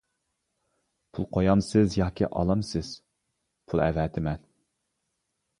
-پۇل قويامسىز ياكى ئالامسىز؟ -پۇل ئەۋەتىمەن.